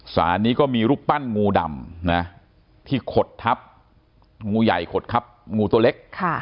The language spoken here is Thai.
สารนี้ก็มีรูปปั้นงูดำนะที่ขดทับงูใหญ่ขดทับงูตัวเล็ก